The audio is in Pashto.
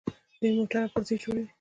دوی موټرې او پرزې جوړوي.